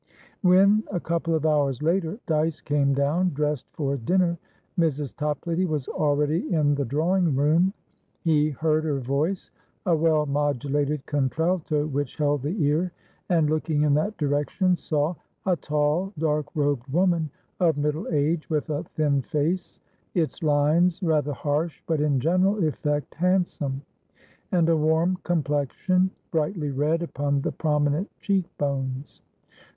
When, a couple of hours later, Dyce came down dressed for dinner, Mrs. Toplady was already in the drawing room. He heard her voice, a well modulated contralto which held the ear, and, looking in that direction, saw a tall, dark robed woman, of middle age, with a thin face, its lines rather harsh, but in general effect handsome, and a warm complexion, brightly red upon the prominent cheek bones.